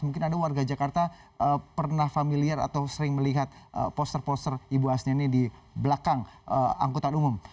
mungkin anda warga jakarta pernah familiar atau sering melihat poster poster ibu hasna ini di belakang angkutan umum